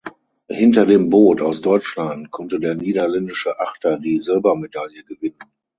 Hinter dem Boot aus Deutschland konnte der niederländische Achter die Silbermedaille gewinnen.